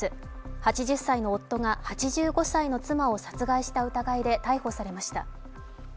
８０歳の夫が８５歳の妻を殺害した疑いで逮捕されました。